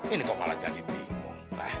ini kok malah jadi bingung